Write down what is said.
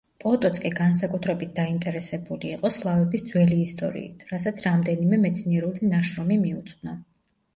პოტოცკი განსაკუთრებით დაინტერესებული იყო სლავების ძველი ისტორიით, რასაც რამდენიმე მეცნიერული ნაშრომი მიუძღვნა.